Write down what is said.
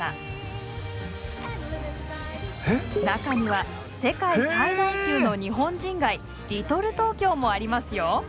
中には世界最大級の日本人街リトルトーキョーもありますよ。